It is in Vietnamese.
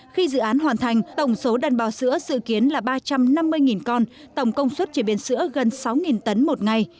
khi dự án hoàn thành tổng số đàn bò sữa dự kiến là ba trăm năm mươi con tổng công suất chế biến sữa gần sáu tấn một ngày